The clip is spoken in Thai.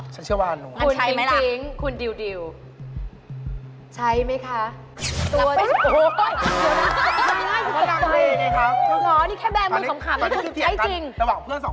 ฉันเชื่อว่านี้ว่านี้นั่นใช่ไหมละคุณจริง